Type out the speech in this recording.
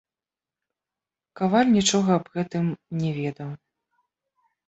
Каваль нічога аб гэтым но ведаў.